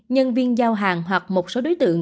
nhân viên giao hàng hoặc một số đối tượng